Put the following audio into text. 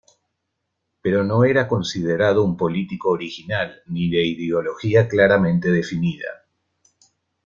Pero no era considerado un político original, ni de ideología claramente definida.